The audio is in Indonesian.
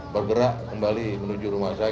bergerak kembali menuju rumah saya